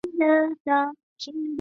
湖北宜都人。